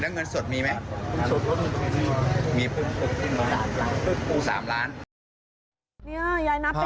คุณยายไม่ได้เอาไฟหมดเลยค่ะ